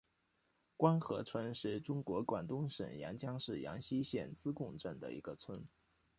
官河村是中国广东省阳江市阳西县织贡镇的一个村。